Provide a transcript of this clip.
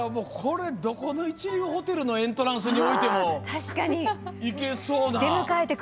どこの一流ホテルのエントランスに置いてもいけそうな。